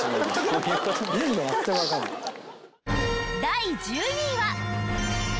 第１２位は。